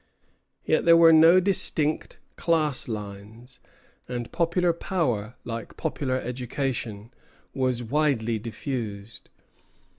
Yet there were no distinct class lines, and popular power, like popular education, was widely diffused.